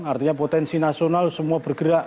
artinya potensi nasional semua bergerak